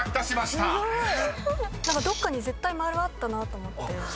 何かどっかに絶対丸あったなと思って。